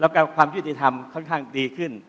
แล้วก็ความยุติธรรมค่อนข้างดีขึ้น